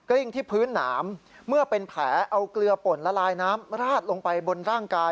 ลิ้งที่พื้นหนามเมื่อเป็นแผลเอาเกลือป่นละลายน้ำราดลงไปบนร่างกาย